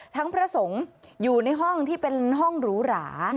พระสงฆ์อยู่ในห้องที่เป็นห้องหรูหรา